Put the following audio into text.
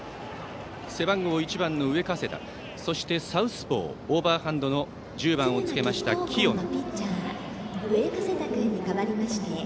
背番号１番の上加世田、そしてサウスポー、オーバーハンドの１０番をつけました、清野。